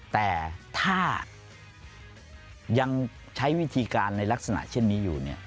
แต่ถ้ายังใช้วิธีการในลักษณะเช่นนี้อยู่